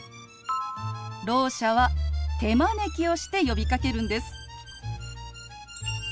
ろう者は手招きをして呼びかけるんです。